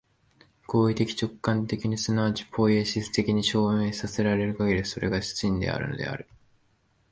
行為的直観的に即ちポイエシス的に証明せられるかぎり、それが真であるのである。